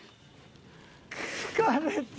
疲れた。